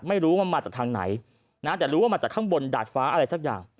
ไม่รู้ว่ามาจากทางไหนนะแต่รู้ว่ามาจากข้างบนดาดฟ้าอะไรสักอย่าง